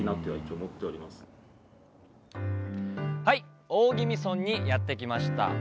はい大宜味村にやって来ました！